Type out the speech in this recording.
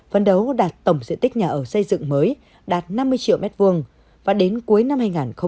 phần đầu đạt tổng diện tích nhà ở xây dựng mới đạt năm mươi triệu m hai và đến cuối năm hai nghìn hai mươi năm